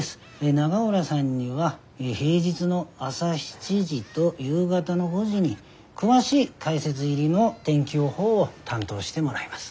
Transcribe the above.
永浦さんには平日の朝７時ど夕方の５時に詳しい解説入りの天気予報を担当してもらいます。